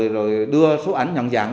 rồi đưa số ảnh nhận dạng